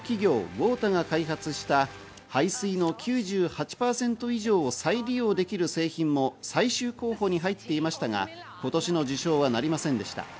ＷＯＴＡが開発した排水の９８％以上を再利用できる製品も最終候補に入っていましたが、今年の受賞はなりませんでした。